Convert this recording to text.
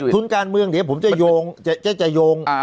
ทุนการเมืองเดี๋ยวผมจะโยง๕ปาไปฟัง